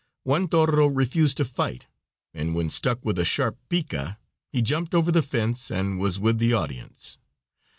One toro refused to fight, and when stuck with a sharp pica he jumped over the fence and was with the audience.